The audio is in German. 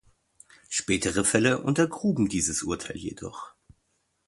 Spätere Fälle untergruben dieses Urteil jedoch.